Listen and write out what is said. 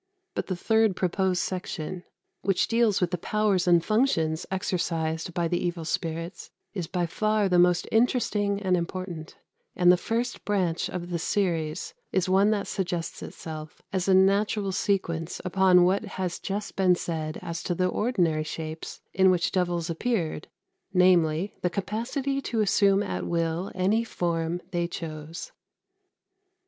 But the third proposed section, which deals with the powers and functions exercised by the evil spirits, is by far the most interesting and important; and the first branch of the series is one that suggests itself as a natural sequence upon what has just been said as to the ordinary shapes in which devils appeared, namely, the capacity to assume at will any form they chose.